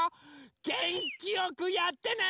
げんきよくやってね！